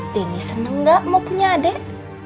denny seneng gak mau punya adik